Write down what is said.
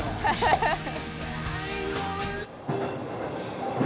ハハハハ！